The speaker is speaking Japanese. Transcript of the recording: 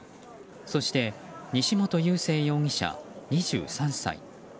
そして西本佑聖容疑者、２３歳。